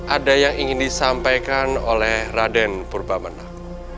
ada yang ingin disampaikan oleh raden purba menak